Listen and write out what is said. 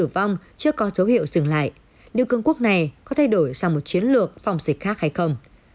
tử vong chưa có dấu hiệu dừng lại nếu cường quốc này có thay đổi sang một chiến lược phòng dịch khác hay không